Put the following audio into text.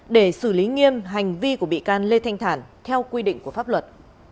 để xử lý nghiêm hành vi của bị can lê thanh thản theo quy định của pháp luật